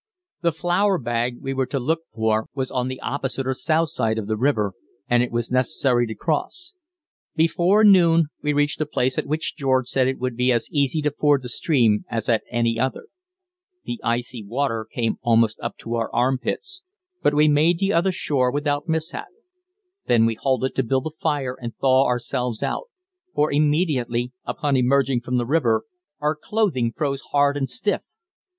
The flour bag we were to look for was on the opposite or south side of the river, and it was necessary to cross. Before noon we reached a place at which George said it would be as easy to ford the stream as at any other. The icy water came almost up to our armpits, but we made the other shore without mishap. There we halted to build a fire and thaw ourselves out; for immediately upon emerging from the river our clothing froze hard and stiff.